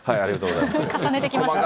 重ねてきましたね。